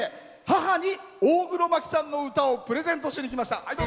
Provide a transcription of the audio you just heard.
母に大黒摩季さんの歌をプレゼントしに来ました。